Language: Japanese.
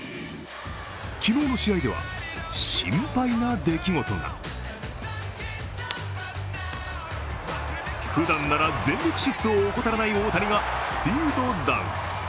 昨日の試合では心配な出来事がふだんなら全力疾走を怠らない大谷がスピードダウン。